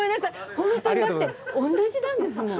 本当にだって同じなんですもん！